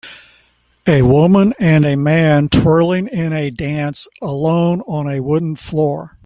A woman and a man twirling in a dance alone on a wooden floor